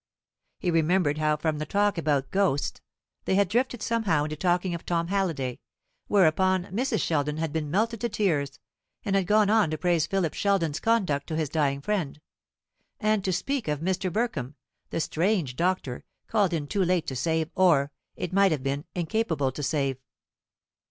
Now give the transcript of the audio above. He remembered how from the talk about ghosts they had drifted somehow into talking of Tom Halliday; whereupon Mrs. Sheldon had been melted to tears, and had gone on to praise Philip Sheldon's conduct to his dying friend, and to speak of Mr. Burkham, the strange doctor, called in too late to save, or, it might have been, incapable to save.